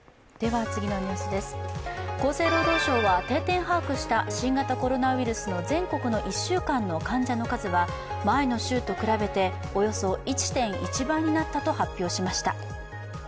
厚生労働省は定点把握した新型コロナウイルスの全国の１週間の患者の数は前の週と比べておよそ１．１倍になったと発表しました。